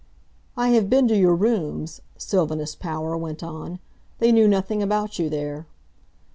"I have been to your rooms," Sylvanus Power went on. "They knew nothing about you there."